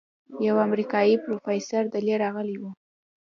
يو امريکايي پروفيسور دېلې رغلى و.